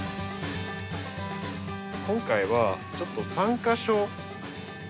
今回はちょっと３か所。